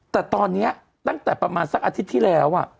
แต่ตอนนี้ตั้งแต่ประมาณสักอาทิตย์ที่แล้ว